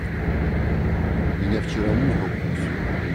Меня вчера муха укусила.